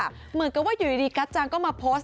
เหมือนกับว่าอยู่ดีกัจจังก็มาโพสต์